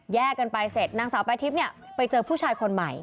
กันไปเสร็จนางสาวแป๊ทิพย์เนี่ยไปเจอผู้ชายคนใหม่